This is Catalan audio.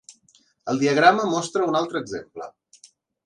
El diagrama mostra un altre exemple.